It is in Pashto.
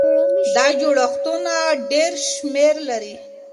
دا جوړښتونه ډېر شمېر لري.